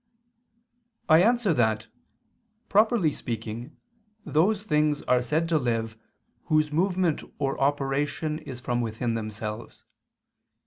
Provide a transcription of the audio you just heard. I answer that, Properly speaking, those things are said to live whose movement or operation is from within themselves.